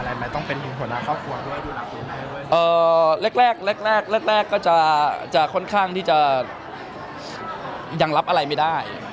เอ่อเล็กเล็กเล็กก็จะจะค่อนข้างที่จะยังรับอะไรไม่ได้